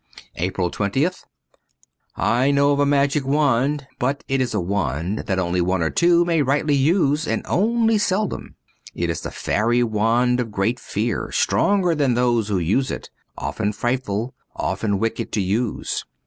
* 119 APRIL 20th ' T KNOW of a magic wand, but it is a wand X that only one or two may rightly use, and only seldom. It is a fairy wand of great fear, stronger than those who use it — often frightful, often wicked to use.